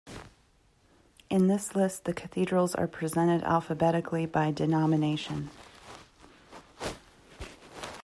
In this list the cathedrals are presented alphabetically by denomination.